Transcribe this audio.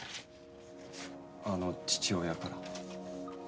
あの父親から？